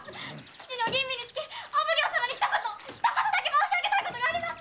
父の吟味につきお奉行様にひと言ひと言だけ申し上げたいことがあります！